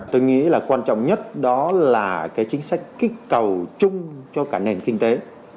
tôi nghĩ là quan trọng nhất đó là cái chính sách kích cầu chung cho cả nền kinh tế